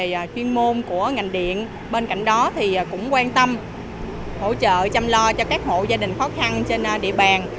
các chuyên môn của ngành điện bên cạnh đó thì cũng quan tâm hỗ trợ chăm lo cho các hộ gia đình khó khăn trên địa bàn